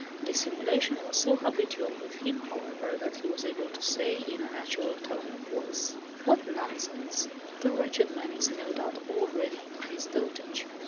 Dissimulation was so habitual with him, however, that he was able to say, in a natural tone of voice: "What nonsense! The wretched man is no doubt already in his dotage!